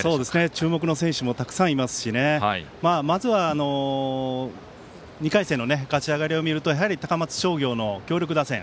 注目の選手もたくさんいますしまずは、２回戦の勝ち上がりを見ると高松商業の強力打線。